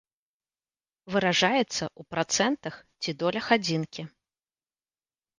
Выражаецца ў працэнтах ці долях адзінкі.